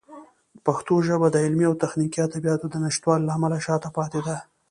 پښتو ژبه د علمي او تخنیکي ادبیاتو د نشتوالي له امله شاته پاتې ده.